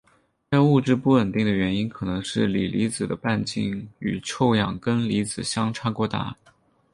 该物质不稳定的原因可能是锂离子的半径与臭氧根离子相差过大。